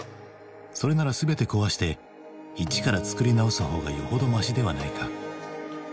それなら全て壊して一から作り直すほうがよほどマシではないか。